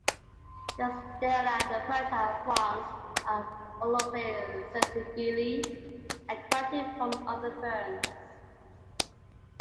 The sterile and fertile fronds of "Onoclea sensibilis" are quite different from other ferns.